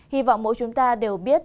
hy vọng mỗi chúng ta đều biết